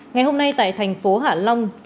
ngày hôm nay tại thành phố hả long